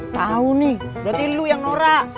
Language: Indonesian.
tahu nih berarti lu yang norak